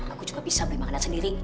aku juga bisa beli makanan sendiri